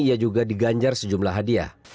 ia juga diganjar sejumlah hadiah